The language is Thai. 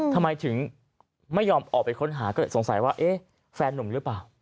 ทำไมถึงไม่ยอมออกไปค้นหาก็เลยสงสัยว่าเอ๊ะแฟนนุ่มหรือเปล่า